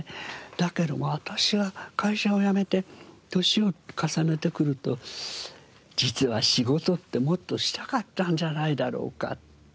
だけども私は会社を辞めて年を重ねてくると実は仕事ってもっとしたかったんじゃないだろうかって。